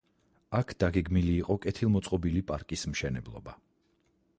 აქ დაგეგმილი იყო კეთილმოწყობილი პარკის მშენებლობა.